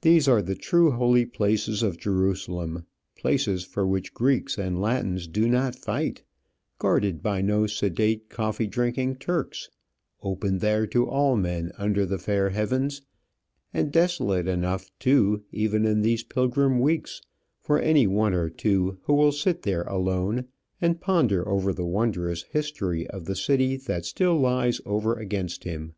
These are the true holy places of Jerusalem, places for which Greeks and Latins do not fight, guarded by no sedate, coffee drinking Turks, open there to all men under the fair heavens, and desolate enough, too, even in these pilgrim weeks, for any one or two who will sit there alone and ponder over the wondrous history of the city that still lies over against him.